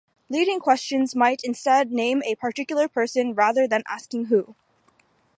Leading questions might instead name a particular person rather than asking who?